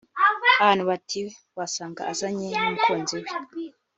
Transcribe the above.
abandi bati wasanga azanye n’umukunzi we